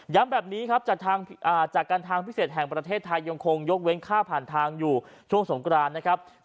แบบนี้ครับจากการทางพิเศษแห่งประเทศไทยยังคงยกเว้นค่าผ่านทางอยู่ช่วงสงกรานนะครับ